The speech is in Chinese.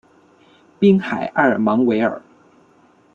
滨海埃尔芒维尔。